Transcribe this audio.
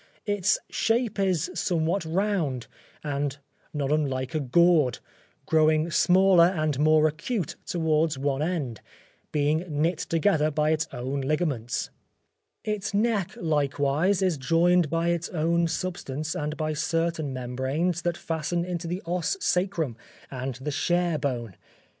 Its shape is somewhat round and not unlike a gourd, growing smaller and more acute towards one end, being knit together by its own ligaments; its neck likewise is joined by its own substance and by certain membranes that fasten into the os sacrum and the share bone.